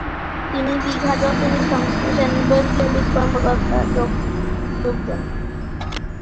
তিনি বাঘা যতীনের সংস্পর্শে এসে বৈপ্লবিক কর্মতৎপরতায় যোগ দেন।